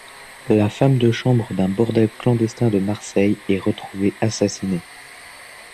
La femme de chambre d'un bordel clandestin de Marseille est retrouvée assassinée.